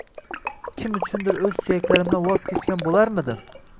Kim uchundir o`z suyaklarimdan voz kechgan bo`larmidim